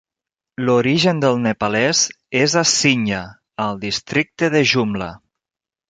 L'origen del nepalès és a Sinja, al districte de Jumla.